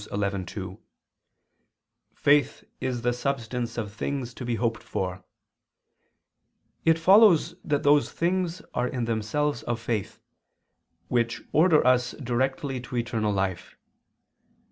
11:2: "Faith is the substance of things to be hoped for," it follows that those things are in themselves of faith, which order us directly to eternal life.